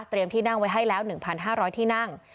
ที่นั่งไว้ให้แล้ว๑๕๐๐ที่นั่ง